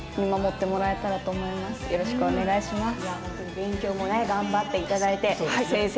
勉強も頑張っていただいて先生